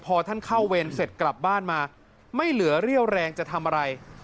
พอท่านเข้าเวรเสร็จกลับบ้านมาไม่เหลือเรี่ยวแรงจะทำอะไร